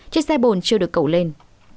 chứ xe bồn chưa được cầu lên